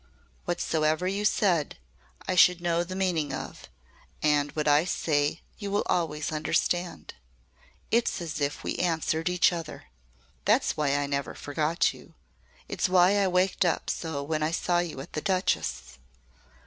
Whatsoever you said, I should know the meaning of, and what I say you will always understand. It's as if we answered each other. That's why I never forgot you. It's why I waked up so when I saw you at the Duchess'."